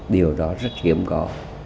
điều đó rất hiếm có